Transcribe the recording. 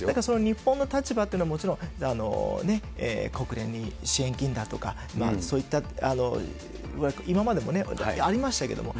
日本の立場というのはもちろん、国連に支援金だとか、そういった今までもありましたけれども。